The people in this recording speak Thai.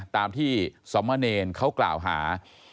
ตามที่สมเนรเขากล่าวหา